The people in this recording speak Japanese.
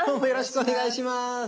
よろしくお願いします。